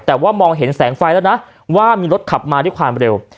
แต่ว่ามองเห็นแสงไฟแล้วนะว่ามีรถขับมาด้วยความเร็ว